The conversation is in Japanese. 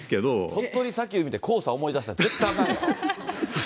鳥取砂丘見て黄砂思い出したら絶対あかんよ。